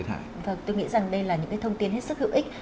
tôi nghĩ rằng đây là những cái thông tin hết sức hữu ích